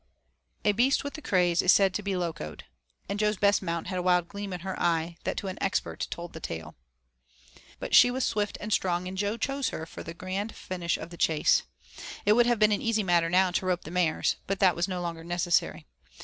A beast with the craze is said to be locoed. And Jo's best mount had a wild gleam in her eye that to an expert told the tale. But she was swift and strong and Jo chose her for the grand finish of the chase. It would have been an easy matter now to rope the mares, but was no longer necessary.